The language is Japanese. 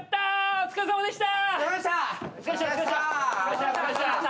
お疲れさまでした！